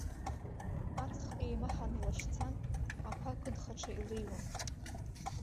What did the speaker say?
Аҵх еимаҳан илашьцан, ақәа кыдхаҽа илеиуан.